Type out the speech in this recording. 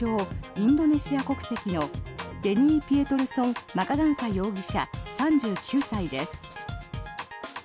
・インドネシア国籍のデニー・ピエトルソン・マカガンサ容疑者、３９歳です。